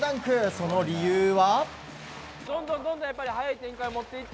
その理由は。